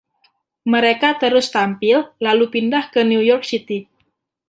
Mereka terus tampil lalu pindah ke New York City.